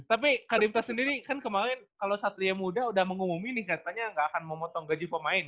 tapi kak ripsa sendiri kan kemarin kalo satria muda udah mengumumi nih katanya nggak akan memotong gaji pemain